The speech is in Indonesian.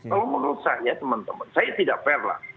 kalau menurut saya teman teman saya tidak fair lah